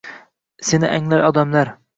Seni anglar odamlar.